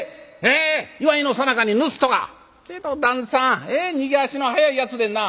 祝いのさなかに盗人が？けど旦さん逃げ足の速いやつでんな」。